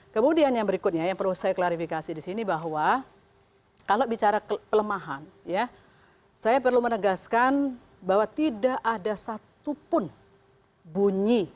kemudian yang berikutnya yang perlu saya klarifikasi di sini bahwa kalau bicara kelemahan saya perlu menegaskan bahwa tidak ada satupun bunyi